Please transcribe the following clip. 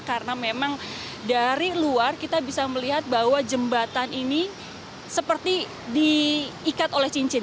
karena memang dari luar kita bisa melihat bahwa jembatan ini seperti diikat oleh cincin